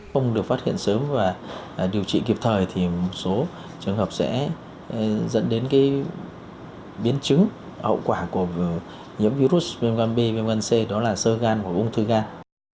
không được phát hiện sớm và điều trị kịp thời thì một số trường hợp sẽ dẫn đến biến chứng hậu quả của nhiễm virus viêm gan b viêm gan c đó là sơ gan của ung thư gan